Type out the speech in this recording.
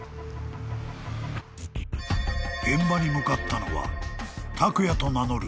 ［現場に向かったのはたくやと名乗る